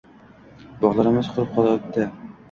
Bog`larimiz qurib qolayapti